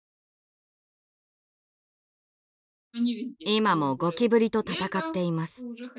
今もゴキブリと戦っています。